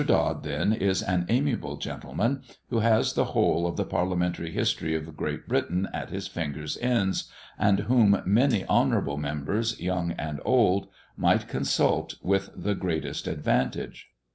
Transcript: Dod then is an amiable gentleman, who has the whole of the Parliamentary history of Great Britain at his fingers' ends, and whom many honourable members, young and old, might consult with the greatest advantage.